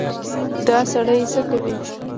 _دا سړی څه کوې؟